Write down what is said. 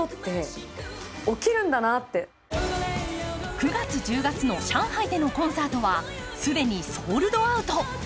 ９月１０月上海でのコンサートは既にソールドアウト。